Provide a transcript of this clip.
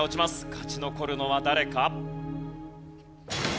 勝ち残るのは誰か？